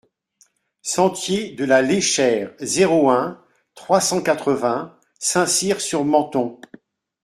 Sentier de la Léchère, zéro un, trois cent quatre-vingts Saint-Cyr-sur-Menthon